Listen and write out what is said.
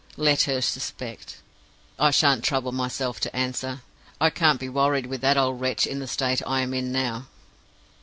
Let her suspect! I shan't trouble myself to answer; I can't be worried with that old wretch in the state I am in now.